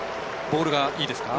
ボールがいいですか？